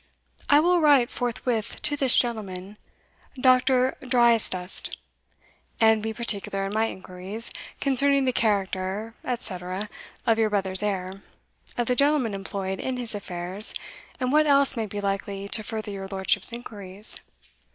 I will write forthwith to this gentleman, Dr. Dryasdust, and be particular in my inquiries concerning the character, etc., of your brother's heir, of the gentleman employed in his affairs, and what else may be likely to further your lordship's inquiries.